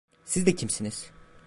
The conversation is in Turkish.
Siz de kimsiniz?